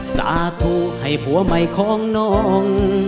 สาธุให้ผัวใหม่ของน้อง